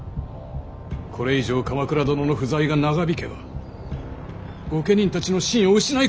これ以上鎌倉殿の不在が長引けば御家人たちの信を失いかねません。